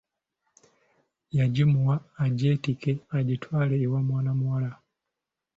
Yagimuwa agyetikke agitwale ewa mwana muwala.